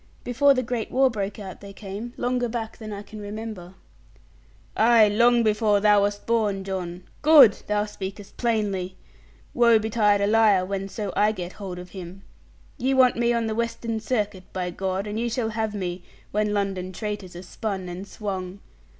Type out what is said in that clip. Before the great war broke out they came, longer back than I can remember.' 'Ay, long before thou wast born, John. Good, thou speakest plainly. Woe betide a liar, whenso I get hold of him. Ye want me on the Western Circuit; by God, and ye shall have me, when London traitors are spun and swung.